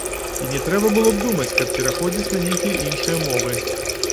І не трэба было б думаць, каб пераходзіць на нейкія іншыя мовы.